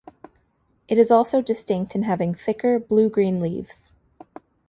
It is also distinct in having thicker, blue-green leaves.